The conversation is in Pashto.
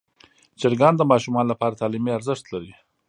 چرګان د ماشومانو لپاره تعلیمي ارزښت لري.